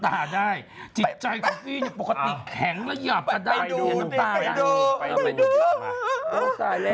ไปดู